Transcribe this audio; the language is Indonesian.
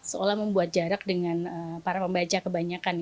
seolah membuat jarak dengan para pembaca kebanyakan